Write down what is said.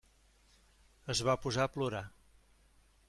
Es va posar a plorar.